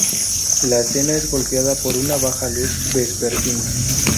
La escena es golpeada por una baja luz vespertina.